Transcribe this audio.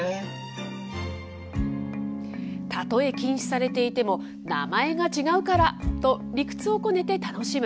たとえ禁止されていても、名前が違うからと、理屈をこねて楽しむ。